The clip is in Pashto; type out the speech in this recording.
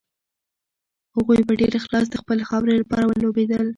هغوی په ډېر اخلاص د خپلې خاورې لپاره ولوبېدل.